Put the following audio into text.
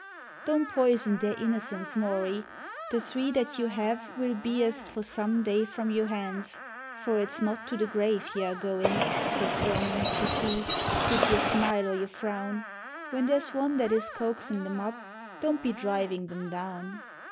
"Don't poison their innocence, Maury; the three that you have 'Ll be as't for some day from your hands, for it's not to the grave Ye are goin'," says Emun, says he, "wid your smile or your frown ; When there's Wan that is coaxin' them up, don't be dhrivin' thim down."